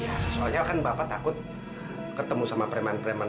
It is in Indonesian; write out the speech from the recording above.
ya soalnya kan bapak takut ketemu sama pereman pereman